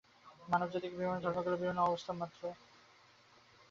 মানবজাতির বিভিন্ন ধর্মগুলি বিভিন্ন অবস্থা মাত্র।